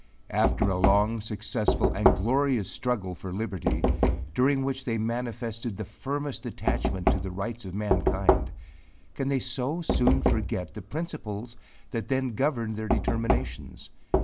After a long, successful, and glorious struggle for liberty, during which they manifested the firmest attachment to the rights of mankind, can they so soon forget the principles that then governed their determinations?